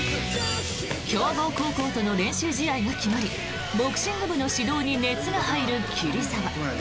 強豪高校との練習試合が決まりボクシング部の指導に熱が入る桐沢。